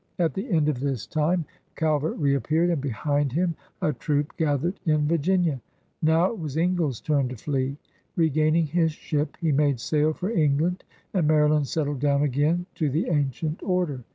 At the end of this time Calvert reappeared, and behind him a troop gathered in Virginia. Now it was Ingle's turn to flee. Braining his ship, he made sail for England, and Maryland settled down again to the ancient order.